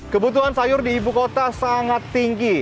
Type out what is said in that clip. kebutuhan sayur di ibu kota sangat tinggi